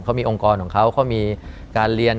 เขามีองค์กรของเขาเขามีการเรียน